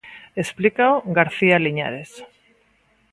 Explícao García Liñares.